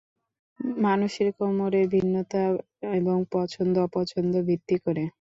মানুষের কোমরের ভিন্নতা এবং পছন্দ-অপছন্দ ভিত্তি করে।